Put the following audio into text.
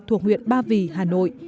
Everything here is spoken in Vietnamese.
thuộc huyện ba vì hà nội